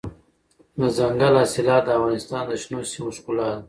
دځنګل حاصلات د افغانستان د شنو سیمو ښکلا ده.